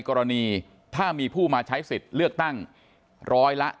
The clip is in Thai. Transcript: กรณีถ้ามีผู้มาใช้สิทธิ์เลือกตั้งร้อยละ๗